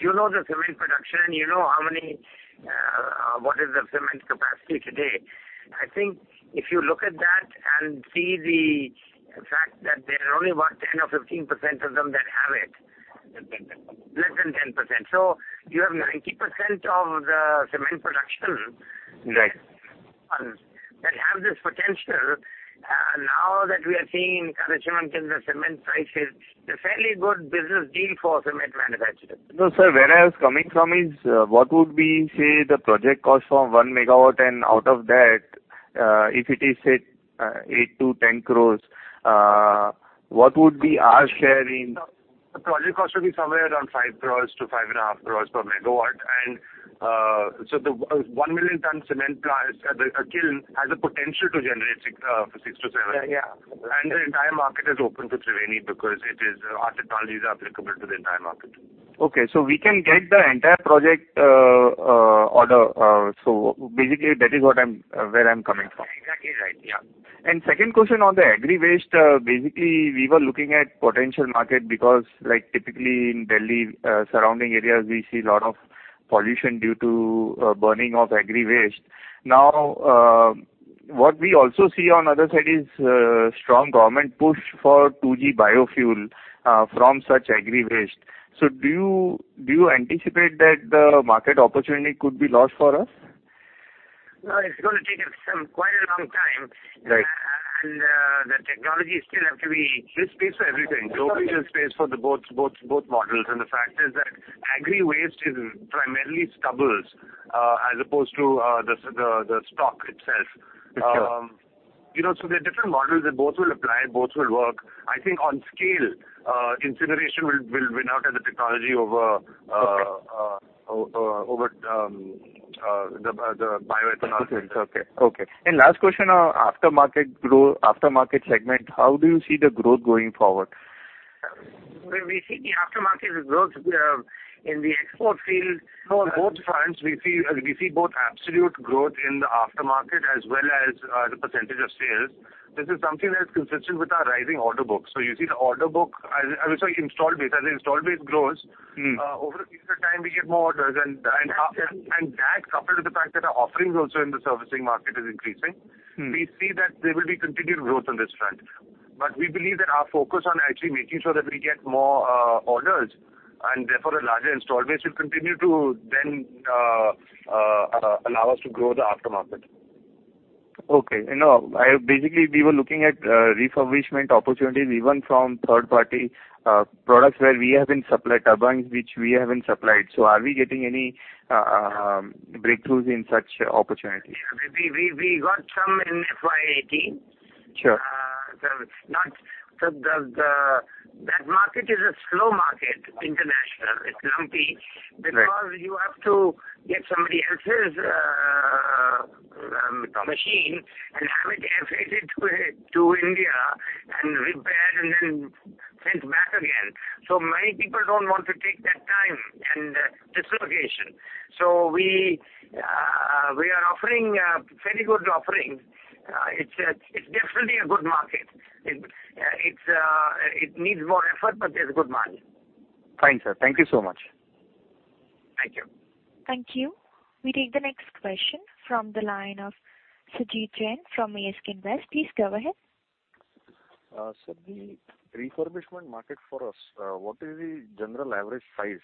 You know the cement production and you know what is the cement capacity today. I think if you look at that and see the fact that there are only about 10% or 15% of them that have it. Less than 10%. Less than 10%. You have 90% of the cement production. Right That have this potential. That we are seeing in cement the cement price is a fairly good business deal for cement manufacturers. No, sir. Where I was coming from is what would we say the project cost for one megawatt out of that, if it is, say, eight crores-10 crores, what would be our share in- The project cost will be somewhere around five crores to five and a half crores per megawatt. The 1 million ton cement kiln has a potential to generate six to seven. Yeah. The entire market is open to Triveni because our technologies are applicable to the entire market. Okay. We can get the entire project order. Basically that is where I'm coming from. Exactly right. Yeah. Second question on the agri-waste. Basically, we were looking at potential market because typically in Delhi surrounding areas, we see a lot of pollution due to burning of agri-waste. Now, what we also see on other side is strong government push for 2G biofuel from such agri-waste. Do you anticipate that the market opportunity could be lost for us? No, it's going to take quite a long time. Right. The technology still have to be- There's space for everything. There's space for the both models. The fact is that agri-waste is primarily stubbles as opposed to the stock itself. Sure. There are different models that both will apply, both will work. I think on scale, incineration will win out as a technology over the bioethanol. Okay. Last question on aftermarket segment, how do you see the growth going forward? We see the aftermarket growth in the export field. On both fronts, we see both absolute growth in the aftermarket as well as the percentage of sales This is something that's consistent with our rising order book. You see the order book, I'm sorry, installed base. As the installed base grows- over a period of time, we get more orders. That coupled with the fact that our offerings also in the servicing market is increasing. We see that there will be continued growth on this front. We believe that our focus on actually making sure that we get more orders, and therefore a larger installed base, will continue to then allow us to grow the aftermarket. Okay. Basically, we were looking at refurbishment opportunities, even from third-party products where we haven't supplied turbines, which we haven't supplied. Are we getting any breakthroughs in such opportunities? Yeah. We got some in FY 2018. Sure. That market is a slow market, international. It's lumpy. Right Because you have to get somebody else's machine and have it air freighted to India and repaired and then sent back again. Many people don't want to take that time and dislocation. We are offering very good offerings. It's definitely a good market. It needs more effort, but there's good margin. Fine, sir. Thank you so much. Thank you. Thank you. We take the next question from the line of Sumit Jain from ASK Invest. Please go ahead. Sir, the refurbishment market for us, what is the general average size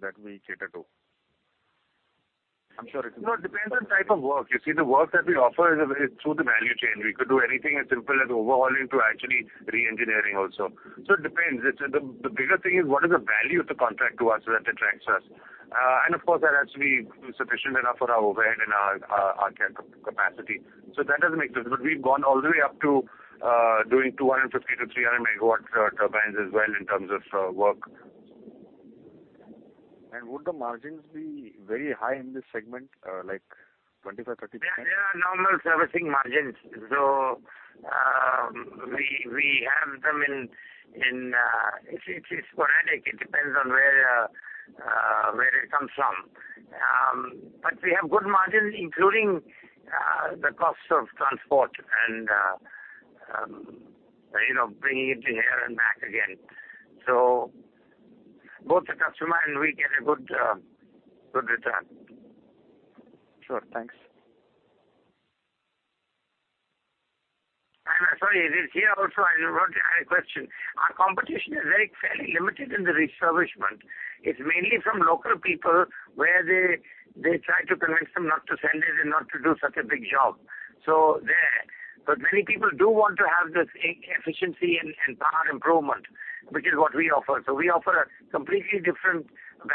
that we cater to? It depends on the type of work. You see, the work that we offer is through the value chain. We could do anything as simple as overhauling to actually re-engineering also. It depends. Of course, that has to be sufficient enough for our overhead and our capacity. That doesn't make sense. We've gone all the way up to doing 250 to 300 megawatt turbines as well in terms of work. Would the margins be very high in this segment, like 25%-30%? They are normal servicing margins. We have them. It's sporadic. It depends on where it comes from. We have good margins, including the cost of transport and bringing it here and back again. Both the customer and we get a good return. Sure. Thanks. I'm sorry. Here also I forgot I had a question. Our competition is very fairly limited in the refurbishment. It's mainly from local people where they try to convince them not to send it and not to do such a big job. There. Many people do want to have this efficiency and power improvement, which is what we offer. We offer a completely different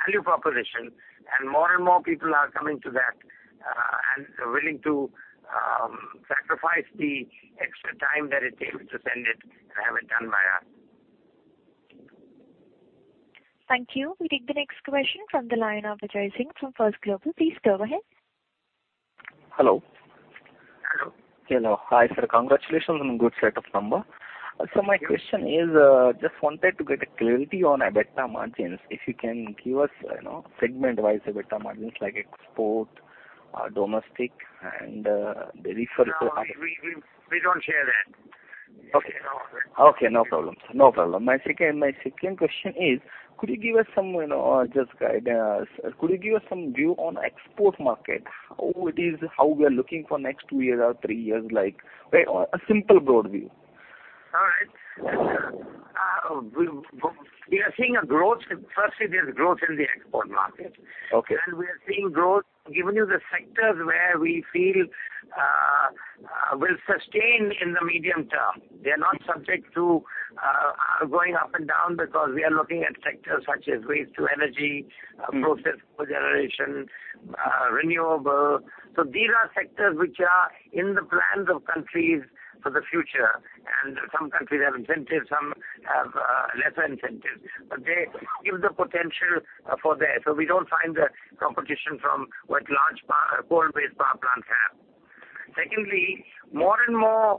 value proposition, and more and more people are coming to that and willing to sacrifice the extra time that it takes to send it and have it done by us. Thank you. We take the next question from the line of Ajay Singh from First Global. Please go ahead. Hello. Hello. Hello. Hi, sir. Congratulations on good set of number. My question is, just wanted to get a clarity on EBITDA margins. If you can give us segment-wise EBITDA margins like export, domestic, and the refurb to- No, we don't share that. Okay. No. Okay, no problem, sir. No problem. My second question is, could you give us some just guidance? Could you give us some view on export market? How we are looking for next two years or three years, like a simple broad view? All right. We are seeing a growth. Firstly, there's growth in the export market. Okay. We are seeing growth given you the sectors where we feel will sustain in the medium term. They're not subject to going up and down because we are looking at sectors such as waste to energy, process cogeneration, renewable. These are sectors which are in the plans of countries for the future, and some countries have incentives, some have lesser incentives, but they give the potential for there. We don't find the competition from what large coal-based power plants have. Secondly, more and more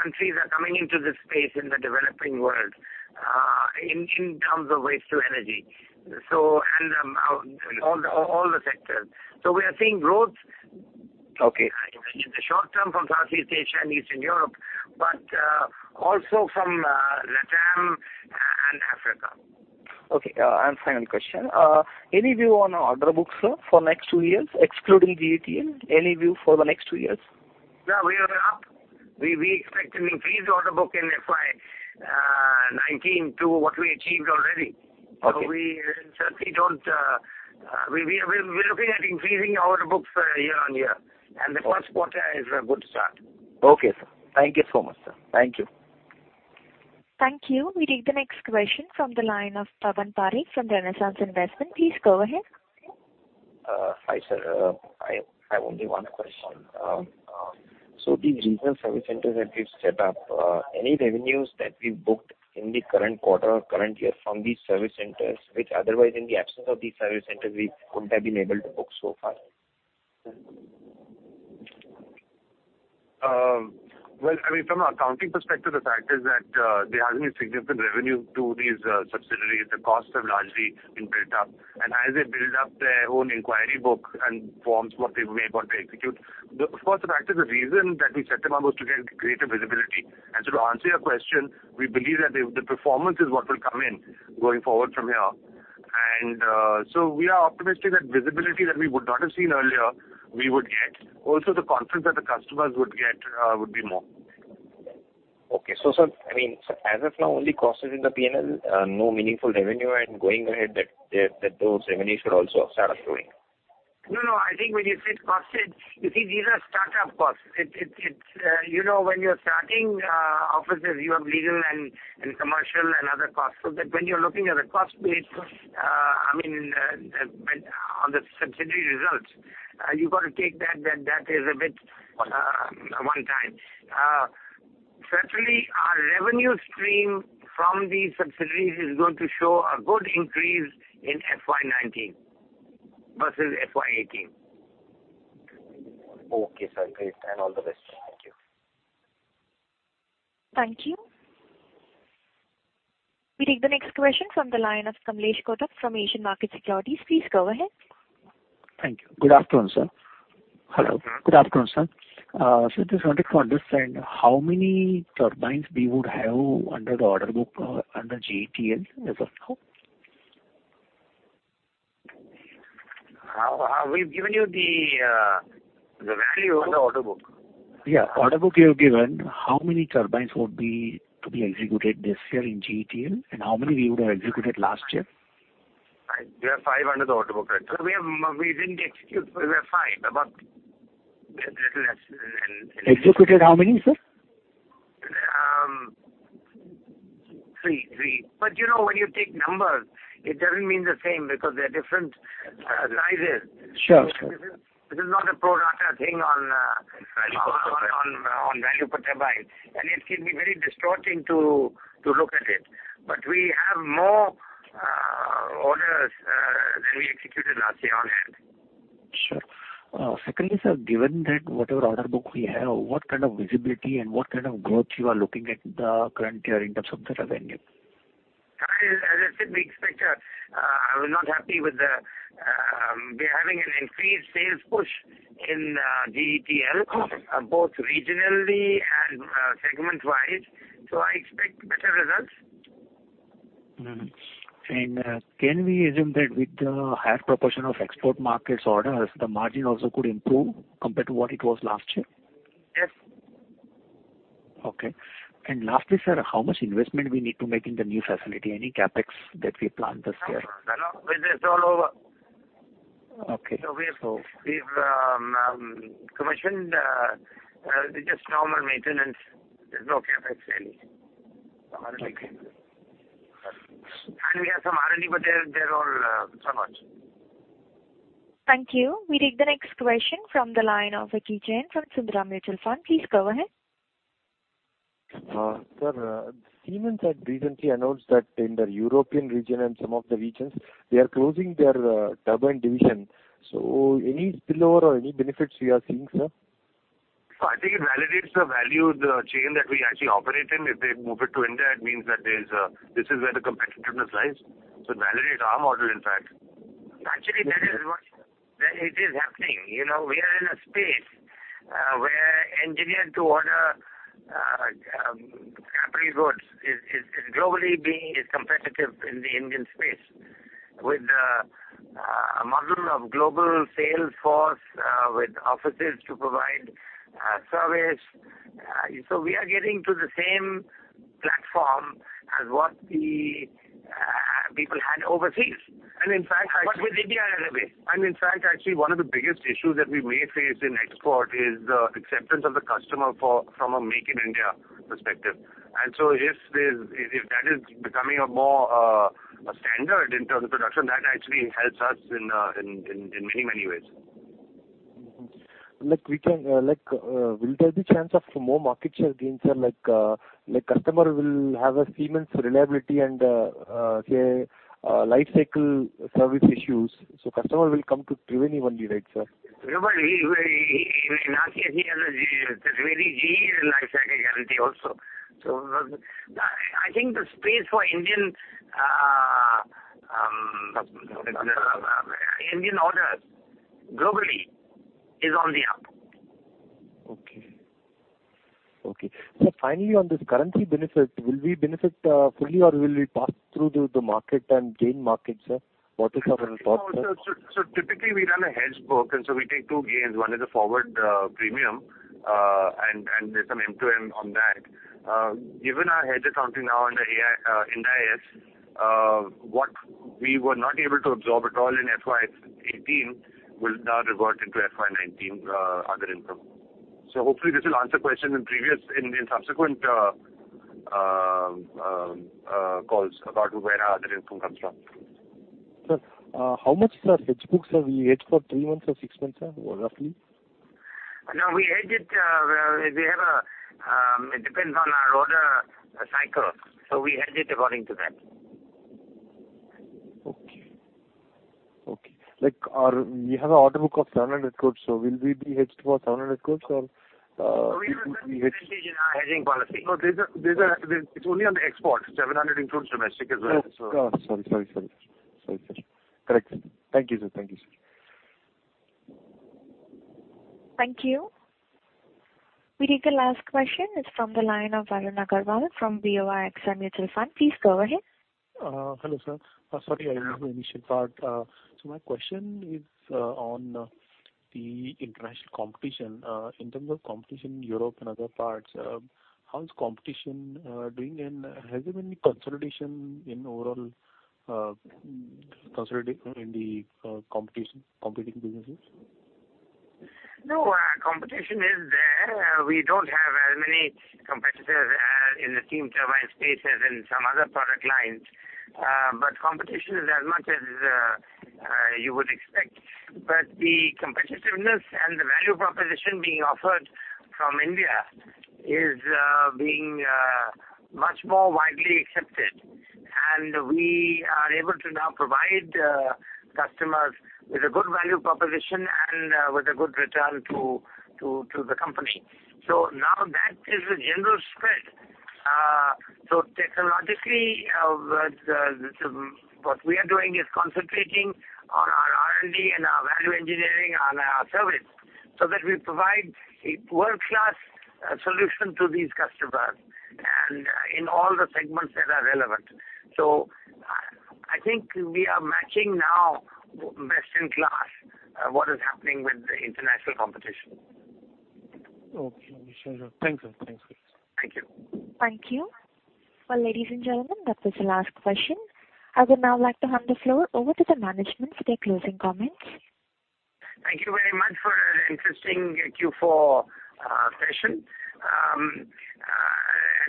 countries are coming into this space in the developing world in terms of waste to energy, and all the sectors. We are seeing growth- Okay In the short term from Southeast Asia and Eastern Europe, also from LATAM and Africa. Okay. Second question. Any view on order books for next two years, excluding VAT? Any view for the next two years? Yeah, we are up. We expect to increase the order book in FY 2019 to what we achieved already. Okay. We're looking at increasing order books year-on-year, and the first quarter is a good start. Okay, sir. Thank you so much, sir. Thank you. Thank you. We take the next question from the line of Pawan Pareek from Renaissance Investment. Please go ahead. Hi, sir. I have only one question. These regional service centers that you've set up, any revenues that we've booked in the current quarter or current year from these service centers, which otherwise in the absence of these service centers we wouldn't have been able to book so far? Well, from an accounting perspective, the fact is that there hasn't been significant revenue to these subsidiaries. The costs have largely been built up. As they build up their own inquiry book and forms what they may want to execute. First, the fact is the reason that we set them up was to get greater visibility. To answer your question, we believe that the performance is what will come in going forward from here. We are optimistic that visibility that we would not have seen earlier, we would get. Also the confidence that the customers would get would be more. Okay. Sir, as of now, only costs is in the P&L, no meaningful revenue. Going ahead, those revenues should also start flowing. No, I think when you say costs, you see these are startup costs. When you're starting offices, you have legal and commercial and other costs, so that when you're looking at the cost base on the subsidiary results, you've got to take that is a bit one time. Certainly, our revenue stream from these subsidiaries is going to show a good increase in FY 2019 versus FY 2018. Okay, sir. Great. All the best. Thank you. Thank you. We take the next question from the line of Kamlesh Kotak from Asian Markets Securities. Please go ahead. Thank you. Good afternoon, sir. Hello. Good afternoon, sir. Sir, just wanted to understand how many turbines we would have under the order book under GETL as of now. We've given you the value of the order book. Yeah, order book you have given. How many turbines would be to be executed this year in GETL and how many we would have executed last year? We have five under the order book right now. We were fine, about a little less than- Executed how many, sir? Three. When you take numbers, it doesn't mean the same because they're different sizes. Sure. This is not a pro rata thing on- Value per turbine on value per turbine. It can be very distorting to look at it. We have more orders than we executed last year on hand. Sure. Secondly, sir, given that whatever order book we have, what kind of visibility and what kind of growth you are looking at the current year in terms of the revenue? As I said, I was not happy. We're having an increased sales push in GETL, both regionally and segment-wise. I expect better results. Can we assume that with the higher proportion of export markets orders, the margin also could improve compared to what it was last year? Yes. Okay. Lastly, sir, how much investment we need to make in the new facility? Any CapEx that we plan this year? No. With this all over. Okay. We've commissioned just normal maintenance. There's no CapEx really. We have some R&D, but they're all small. Thank you. We take the next question from the line of Ashwin Jain from Sundaram Mutual Fund. Please go ahead. Sir, Siemens had recently announced that in the European region and some of the regions, they are closing their turbine division. Any spillover or any benefits we are seeing, sir? I think it validates the value, the chain that we actually operate in. If they move it to India, it means that this is where the competitiveness lies. It validates our model, in fact. Actually, it is happening. We are in a space where engineer to order capital goods is globally being as competitive in the Indian space with a model of global sales force with offices to provide service. We are getting to the same platform as what the people had overseas. In fact. With [DDI railway]. In fact, actually, one of the biggest issues that we may face in export is the acceptance of the customer from a Make in India perspective. If that is becoming a more standard in terms of production, that actually helps us in many ways. Mm-hmm. Will there be chance of more market share gains, sir? Like customer will have a Siemens reliability and say, life cycle service issues, so customer will come to Triveni only, right sir? In our case we have a very life cycle guarantee also. I think the space for Indian orders globally is on the up. Okay. Sir, finally, on this currency benefit, will we benefit fully or will we pass through the market and gain market, sir? What is our thought, sir? Typically we run a hedge book, and so we take two gains. One is a forward premium, and there's some MTM on that. Given our hedge accounting now under Ind AS, what we were not able to absorb at all in FY 2018 will now revert into FY 2019 other income. Hopefully this will answer question in subsequent calls about where our other income comes from. Sir, how much, sir, hedge books, have we hedged for three months or six months, sir, roughly? No, we hedge it. It depends on our order cycles. We hedge it according to that. Okay. You have an order book of 700 crores, will we be hedged for 700 crores or- We will see, depending on our hedging policy. No, it's only on the export. 700 includes domestic as well. Oh, sorry. Correct. Thank you, sir. Thank you. We take the last question. It's from the line of Varun Agrawal from BOI AXA Mutual Fund. Please go ahead. Hello, sir. Sorry I missed the initial part. My question is on the international competition. In terms of competition in Europe and other parts, how is competition doing, and has there been any consolidation in the competing businesses? No, competition is there. We don't have as many competitors in the steam turbine space as in some other product lines. Competition is as much as you would expect. The competitiveness and the value proposition being offered from India is being much more widely accepted, and we are able to now provide customers with a good value proposition and with a good return to the company. Now that is the general spread. Technologically, what we are doing is concentrating on our R&D and our value engineering on our service, so that we provide a world-class solution to these customers and in all the segments that are relevant. I think we are matching now best in class, what is happening with the international competition. Okay. Thank you. Thank you. Thank you. Well, ladies and gentlemen, that was the last question. I would now like to hand the floor over to the management for their closing comments. Thank you very much for an interesting Q4 session.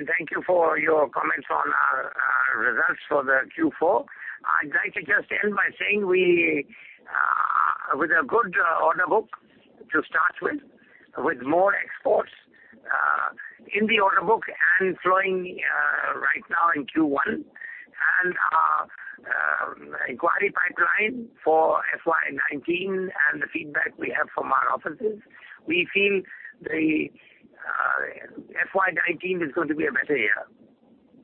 Thank you for your comments on our results for the Q4. I'd like to just end by saying with a good order book to start with more exports in the order book and flowing right now in Q1, and our inquiry pipeline for FY 2019, and the feedback we have from our offices. We feel the FY 2019 is going to be a better year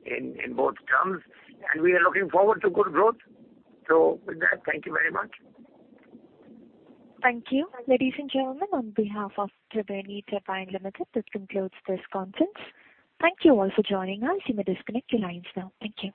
in both terms, and we are looking forward to good growth. With that, thank you very much. Thank you. Ladies and gentlemen, on behalf of Triveni Turbine Limited, this concludes this conference. Thank you all for joining us. You may disconnect your lines now. Thank you.